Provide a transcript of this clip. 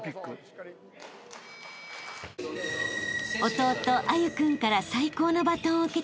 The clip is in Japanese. ［弟歩君から最高のバトンを受け取り